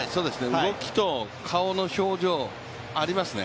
動きと顔の表情、ありますね